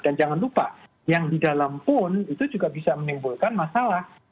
dan jangan lupa yang di dalam pun itu juga bisa menimbulkan masalah